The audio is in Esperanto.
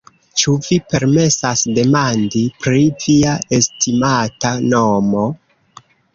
Ĉu vi permesas demandi pri via estimata nomo?